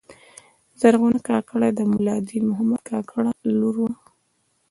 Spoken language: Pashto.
زرغونه کاکړه د ملا دین محمد کاکړ لور وه.